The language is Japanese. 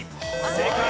正解！